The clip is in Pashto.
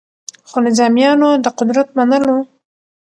خو نظامیانو د قدرت منلو